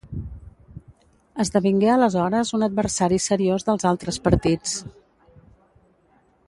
Esdevingué aleshores un adversari seriós dels altres partits.